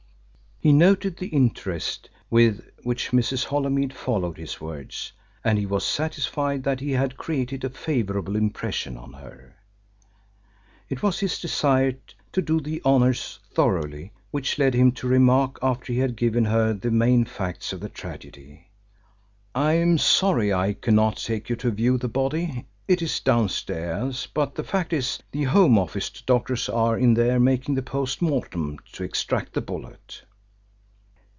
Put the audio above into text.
He noted the interest with which Mrs. Holymead followed his words and he was satisfied that he had created a favourable impression on her. It was his desire to do the honours thoroughly which led him to remark after he had given her the main facts of the tragedy: "I'm sorry I cannot take you to view the body. It is downstairs, but the fact is the Home Office doctors are in there making the post mortem to extract the bullet."